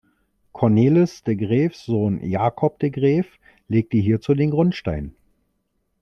Cornelis de Graeffs Sohn Jacob de Graeff legte hierzu den Grundstein.